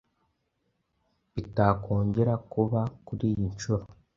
bitakongera kuba kuri iyi nshuro.